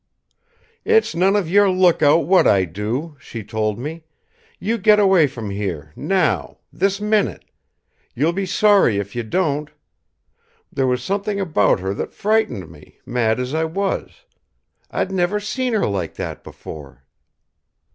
"'It's none of your look out what I do!' she told me. 'You get away from here, now this minute! You'll be sorry if you don't!' There was something about her that frightened me, mad as I was. I'd never seen her like that before."